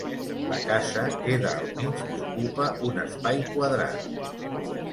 La casa queda al mig i ocupa un espai quadrat.